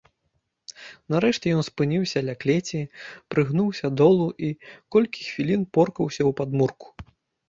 Нарэшце ён спыніўся ля клеці, прыгнуўся долу і колькі хвілін поркаўся ў падмурку.